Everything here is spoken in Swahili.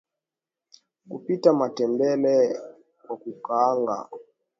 Kupika matembele kwa kukaanga